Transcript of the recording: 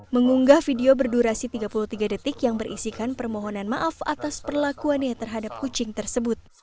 mengunggah video berdurasi tiga puluh tiga detik yang berisikan permohonan maaf atas perlakuannya terhadap kucing tersebut